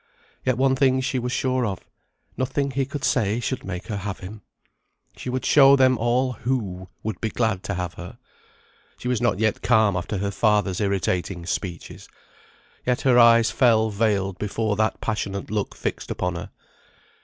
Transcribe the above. Yet one thing she was sure of; nothing he could say should make her have him. She would show them all who would be glad to have her. She was not yet calm after her father's irritating speeches. Yet her eyes fell veiled before that passionate look fixed upon her.